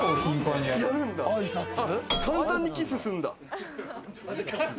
簡単にキスすんだ。